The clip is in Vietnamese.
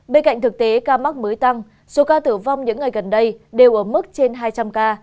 bên cạnh thực tế ca mắc mới tăng số ca tử vong những ngày gần đây đều ở mức trên hai trăm linh ca